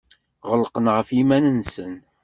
Ɣelqen ɣef yiman-nsen.